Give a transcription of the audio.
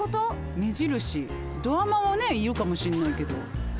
目印ドアマンはねいるかもしんないけど。